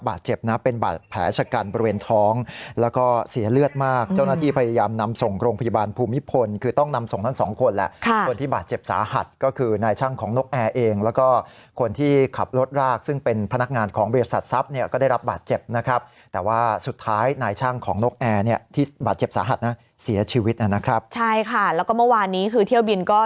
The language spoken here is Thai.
บาดเจ็บนะเป็นบาดแผลชะกันบริเวณท้องแล้วก็เสียเลือดมากเจ้าหน้าที่พยายามนำส่งโรงพยาบาลภูมิพลคือต้องนำส่งทั้งสองคนแหละค่ะคนที่บาดเจ็บสาหัสก็คือนายช่างของนกแอร์เองแล้วก็คนที่ขับรถรากซึ่งเป็นพนักงานของบริษัททรัพย์เนี่ยก็ได้รับบาดเจ็บนะครับแต่ว่าสุดท้ายนายช่าง